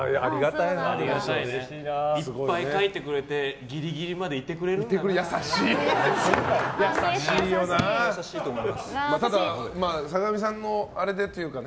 いっぱい書いてくれてギリギリまでいてくれるんだね。